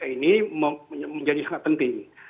ini menjadi sangat penting